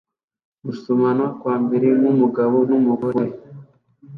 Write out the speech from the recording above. gusomana kwambere nkumugabo numugore!